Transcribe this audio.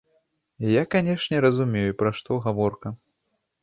Я, канешне, разумею, пра што гаворка.